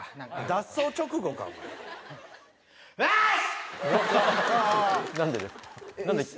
「脱走直後かお前」あっし！